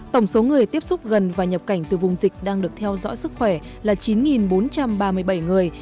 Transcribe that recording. tổng số người tiếp xúc gần và nhập cảnh từ vùng dịch đang được theo dõi sức khỏe là chín bốn trăm ba mươi bảy người